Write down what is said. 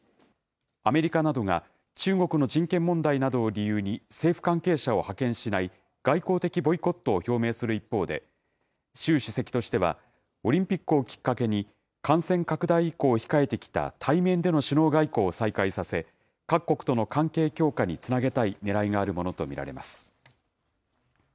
アメリカなどが、中国の人権問題などを理由に政府関係者を派遣しない外交的ボイコットを表明する一方で、習主席としては、オリンピックをきっかけに、感染拡大以降控えてきた対面での首脳外交を再開させ、各国との関係強化につなげたいねらいがあるものと見られます。